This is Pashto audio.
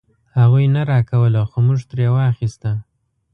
هغوی نه راکوله خو مونږ ترې واخيسته.